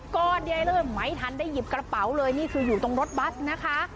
ก็ได้เริ่มไม่ทันได้หยิบกระเป๋าเลยนี่คืออยู่ตรงรถบัสนะคะ